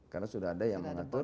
karena sudah ada yang mengatur